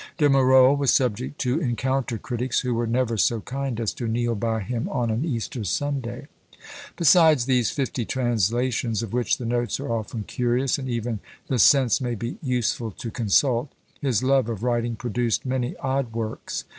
De Marolles was subject to encounter critics who were never so kind as to kneel by him on an Easter Sunday. Besides these fifty translations, of which the notes are often curious, and even the sense may be useful to consult, his love of writing produced many odd works.